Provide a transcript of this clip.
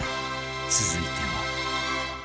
続いては